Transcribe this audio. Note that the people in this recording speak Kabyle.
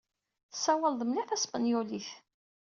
Tessawaleḍ mliḥ taspenyulit.